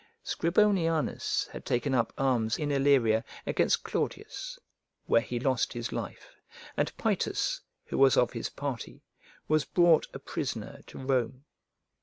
Scribonianus had taken up arms in Illyria against Clatidius, where he lost his life, and Paetus, who was of his party, was brought a prisoner to Rome.